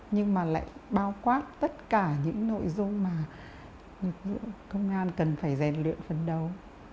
nhưng mà lại bao quát tất cả những nội dung mà công an cần phải rèn luyện phấn đấu